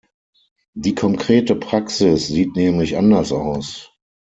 Die konkrete Praxis sieht nämlich anders aus.